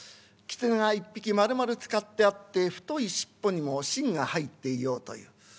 キツネが一匹まるまる使ってあって太い尻尾にも芯が入っていようという。